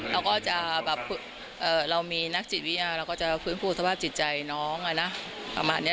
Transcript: เราก็จะแบบเรามีนักจิตวิทยาเราก็จะฟื้นฟูสภาพจิตใจน้องประมาณนี้